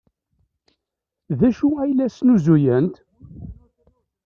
D acu ay la snuzuyent?